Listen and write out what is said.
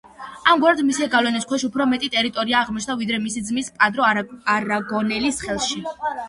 ამგვარად მისი გავლენის ქვეშ უფრო მეტი ტერიტორია აღმოჩნდა ვიდრე მისი ძმის პედრო არაგონელის ხელში.